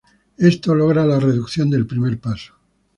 Esto logra la reducción del primer paso.